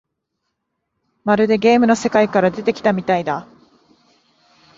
まるでゲームの世界から出てきたみたいだ